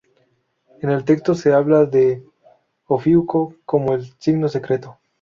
En el texto se habla de Ofiuco como el "signo secreto".